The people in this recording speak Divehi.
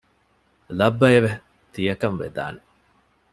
ލައްބައެވެ! ތިޔަކަން ވެދާނެ